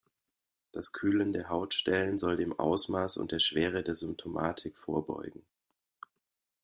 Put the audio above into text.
Das Kühlen der Hautstellen soll dem Ausmaß und der Schwere der Symptomatik vorbeugen.